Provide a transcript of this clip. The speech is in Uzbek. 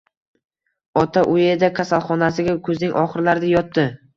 Ota Ueda kasalxonasiga kuzning oxirlarida yotdi